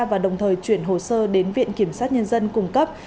và đồng thời chuyển hồ sơ đến viện kiểm sát nhân dân cung cấp